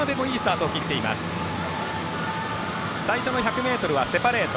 最初の１００ｍはセパレート。